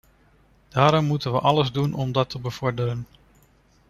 Daarom moeten we alles doen om dat te bevorderen.